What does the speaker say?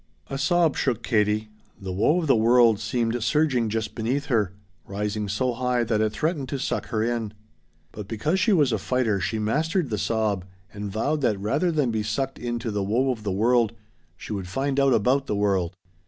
A sob shook Katie. The woe of the world seemed surging just beneath her rising so high that it threatened to suck her in. But because she was a fighter she mastered the sob and vowed that rather than be sucked in to the woe of the world she would find out about the world.